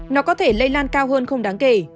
nó có thể lây lan cao hơn không đáng kể